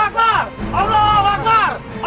tidak ada yang akan mendengar kamu